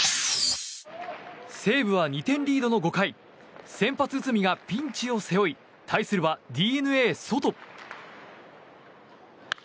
西武は２点リードの５回先発、内海がピンチを背負い対するはＤｅＮＡ、ソト。